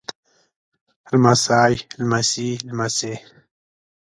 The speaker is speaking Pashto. لمسی لمسي لمسې